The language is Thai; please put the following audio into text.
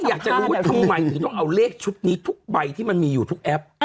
อยากจะรู้ว่าทำไมถึงต้องเอาเลขชุดนี้ทุกใบที่มันมีอยู่ทุกแอป